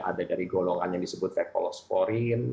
ada dari golongan yang disebut fekolosporin